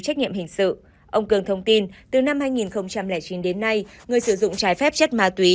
trách nhiệm hình sự ông cường thông tin từ năm hai nghìn chín đến nay người sử dụng trái phép chất ma túy